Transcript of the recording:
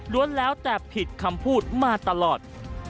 แล้วแต่ผิดคำพูดมาตลอด